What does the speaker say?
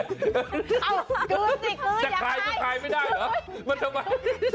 เอาคืนสิคืนอย่าไห้แต่คลายไม่ได้เหรอมันทำไม